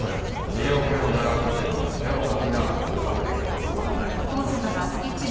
医療系の大学ってのは絵を描きながら合格できるほど甘かない。